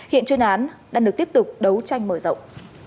hiện chuyên án đang được tiếp tục đấu tranh mở rộng